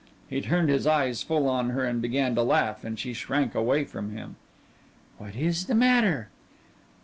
He turned his eyes full on her and began to laugh, and she shrank away from him. "What is the matter?"